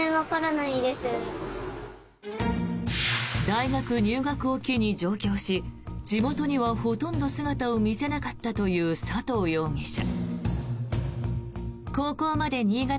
大学入学を機に上京し地元にはほとんど姿を見せなかったという佐藤容疑者。